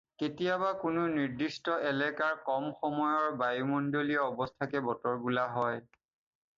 কেতিয়াবা কোনো নিৰ্দিষ্ট এলেকাৰ কম সময়ৰ বায়ুমণ্ডলীয় অৱস্থাকে বতৰ বোলা হয়।